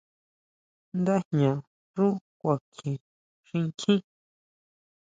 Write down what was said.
Ndajña xú kuakjien xinkjín.